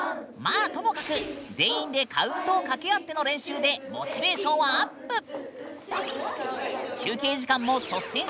まあともかく全員でカウントをかけあっての練習でモチベーションはアップ！